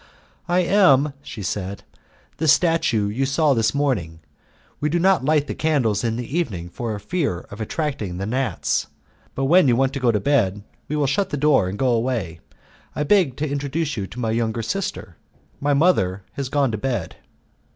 "I am," she said, "the statue you saw this morning. We do not light the candles in the evening for fear of attracting the gnats, but when you want to go to bed we will shut the door and go away. I beg to introduce you to my younger sister, my mother has gone to bed."